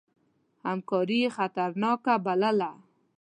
همکاري یې خطرناکه بلله.